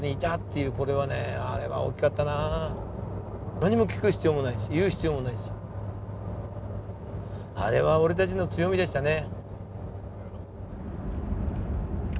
何も聞く必要もないし言う必要もないしあれは俺たちの強みでしたね。